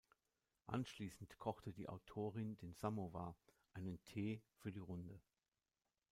Anschließend kochte die Autorin den Samowar, einen Tee, für die Runde.